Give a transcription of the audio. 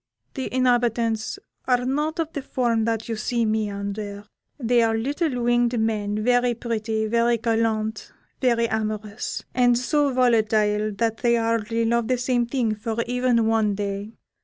The inhabitants are not of the form that you see me under. They are little winged men, very pretty, very gallant, very amorous, and so volatile that they hardly love the same thing for even one day.